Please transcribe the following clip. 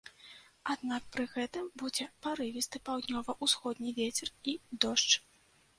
Аднак пры гэтым будзе парывісты паўднёва-ўсходні вецер і дождж.